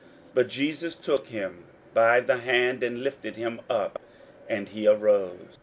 41:009:027 But Jesus took him by the hand, and lifted him up; and he arose.